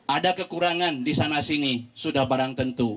ada kekurangan disana sini sudah barang tentu